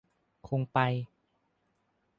คงไป